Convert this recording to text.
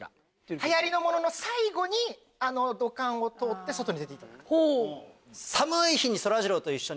はやりのものの最後にあの土管を通って外に出ていただく。